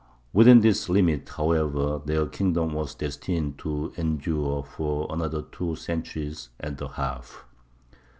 Within this limit, however, their kingdom was destined to endure for another two centuries and a half.